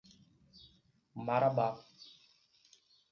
Marabá